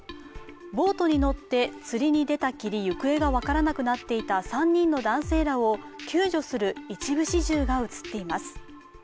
ボートに乗って釣りに出たきり、行方が分からなくなっていた３人の男性らを救助する一部始終が映っています。